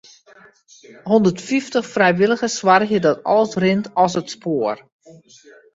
Hûndertfyftich frijwilligers soargje dat alles rint as it spoar.